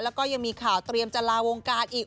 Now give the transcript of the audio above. แล้วก็ยังมีข่าวเตรียมจะลาวงการอีก